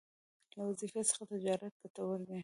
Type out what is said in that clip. له وظيفې څخه تجارت ګټور دی